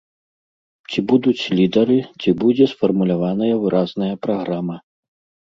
Ці будуць лідары, ці будзе сфармуляваная выразная праграма.